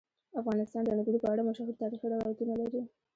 افغانستان د انګورو په اړه مشهور تاریخي روایتونه لري.